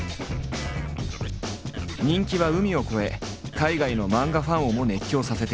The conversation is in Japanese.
人気は海を超え海外の漫画ファンをも熱狂させている。